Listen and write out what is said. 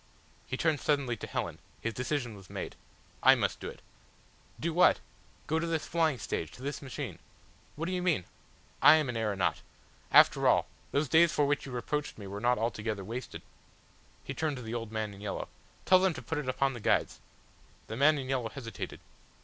He turned suddenly to Helen. His decision was made. "I must do it." "Do what?" "Go to this flying stage to this machine." "What do you mean?" "I am an aeronaut. After all . Those days for which you reproached me were not altogether wasted." He turned to the old man in yellow. "Tell them to put it upon the guides." The man in yellow hesitated.